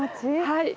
はい。